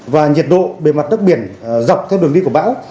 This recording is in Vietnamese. và nhiệt độ bề mặt đất biển dọc theo đường đi của bão